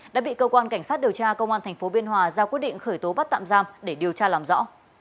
đã bị cơ quan cảnh sát điều tra công an tp biên hòa ra quyết định khởi tố bắt tạm giam để điều tra làm rõ